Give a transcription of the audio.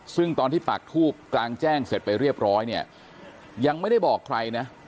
ซึ่งตอนที่ปากทูบกลางแจ้งเสร็จไปเรียบร้อยเนี่ยยังไม่ได้บอกใครนะ